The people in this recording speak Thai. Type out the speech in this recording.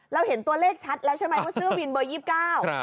เราเห็นตัวเลขชัดแล้วใช่ไหมว่าเชื่อวินเบอร์๒๙